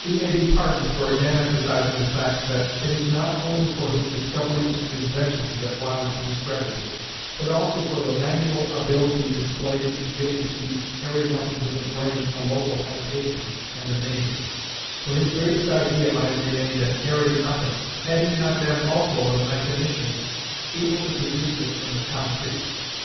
We may be pardoned for again emphasising the fact that it is not only for his discoveries and inventions that Watt is to be credited, but also for the manual ability displayed in giving to these "airy nothings of the brain, a local habitation and a name," for his greatest idea might have remained an "airy nothing," had he not been also the mechanician able to produce it in the concrete.